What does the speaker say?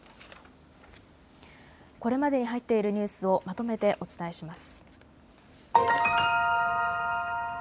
これまでに入っているニュースをまとめてお伝えします。